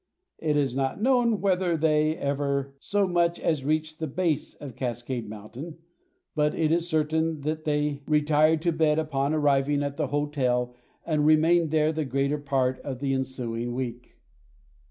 It is not known whether they ever so much as reached the base of Cascade Mountain, but it is certain that they retired to bed upon arriving at the hotel and remained there the greater part of the ensuing week.